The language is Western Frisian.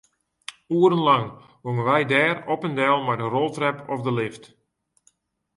Oerenlang gongen wy dêr op en del mei de roltrep of de lift.